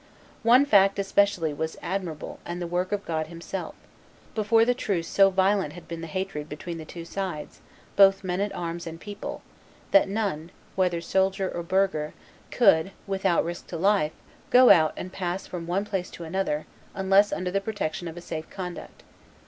One fact especially was admirable and the work of God Himself: before the truce so violent had been the hatred between the two sides, both men at arms and people, that none, whether soldier or burgher, could without risk to life go out and pass from one place to another unless under the protection of a safe conduct.